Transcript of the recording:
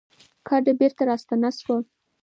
ګټه بېرته راستانه شوه.